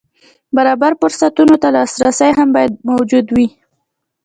برابر فرصتونو ته لاسرسی هم باید موجود وي.